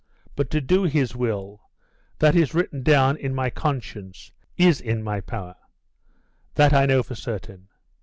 But to do His will, that is written down in my conscience, is in my power; that I know for certain.